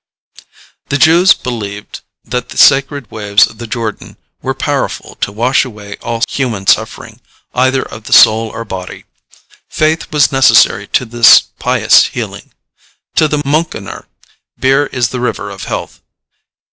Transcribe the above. The Jews believed that the sacred waves of the Jordan were powerful to wash away all human suffering, either of the soul or body. Faith was necessary to this pious healing. To the Münchener beer is the river of health.